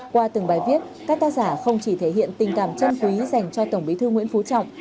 qua từng bài viết các tác giả không chỉ thể hiện tình cảm chân quý dành cho tổng bí thư nguyễn phú trọng